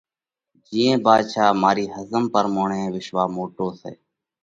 جِيئين ڀاڌشا، مارِي ۿزم پرموڻئہ وِسواه موٽو سئہ۔